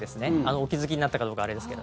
お気付きになったかあれですが。